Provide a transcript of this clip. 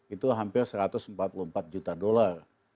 itu hampir satu ratus empat puluh empat juta dolar